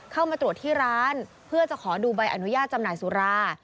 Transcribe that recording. เข้ามาตรวจที่ร้านเพื่อจะขอดูใบอนุญาตจำหน่ายสุรา